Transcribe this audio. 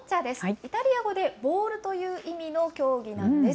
イタリア語でボールという意味の競技なんです。